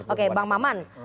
oke bang maman